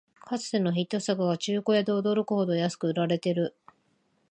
かつてのヒット作が中古屋で驚くほど安く売られてる